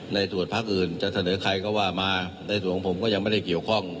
ในส่วนพักอื่นจะเสนอใครก็ว่ามาในส่วนของผมก็ยังไม่ได้เกี่ยวข้อง